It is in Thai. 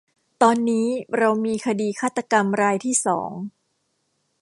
ตอนนี้เรามีคดีฆาตกรรมรายที่สอง